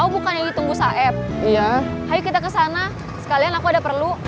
minta kesana sekalian aku ada perlu